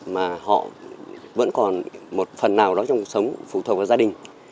mà họ vẫn còn một phần nào đó trong cuộc sống phụ thuộc vào gia đình